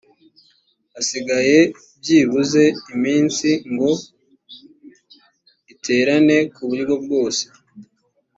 hasigaye byibuze iminsi ngo iterane ku buryo bwose